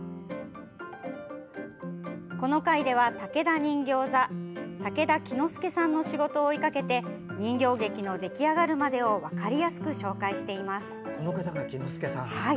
この回では、竹田人形座竹田喜之助さんの仕事を追いかけて人形劇の出来上がるまでを分かりやすく紹介しています。